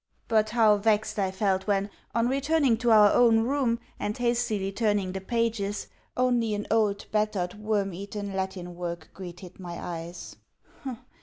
But how vexed I felt when, on returning to our own room, and hastily turning the pages, only an old, battered worm eaten Latin work greeted my eyes!